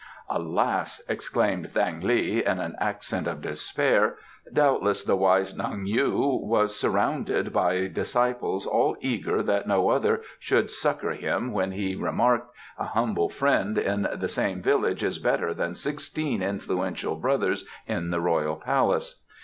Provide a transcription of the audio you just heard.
"Alas!" exclaimed Thang li, in an accent of despair, "doubtless the wise Nung yu was surrounded by disciples all eager that no other should succour him when he remarked: 'A humble friend in the same village is better than sixteen influential brothers in the Royal Palace.